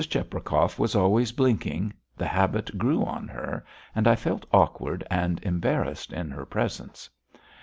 Cheprakov was always blinking the habit grew on her, and I felt awkward and embarrassed in her presence.